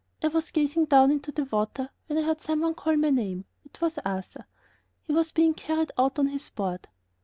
I was gazing down into the water when I heard some one call my name. It was Arthur. He was being carried out on his board.